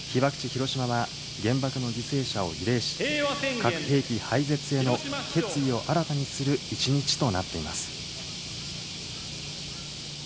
広島は原爆の犠牲者を慰霊し、核兵器廃絶への決意を新たにする一日となっています。